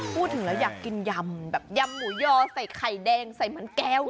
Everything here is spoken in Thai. พูดถึงแล้วอยากกินยำแบบยำหมูยอใส่ไข่แดงใส่เหมือนแก้ว